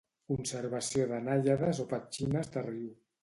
Conservació de Nàiades o petxines de riu.